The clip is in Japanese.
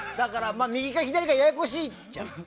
右か左かややこしいじゃん。